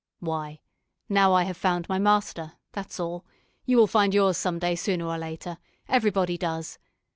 "Why, now I have found my master, that's all; you will find yours some day sooner or later, everybody does.